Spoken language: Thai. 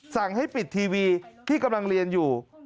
สั่งให้ปิดทีวีที่กำลังเรียนอยู่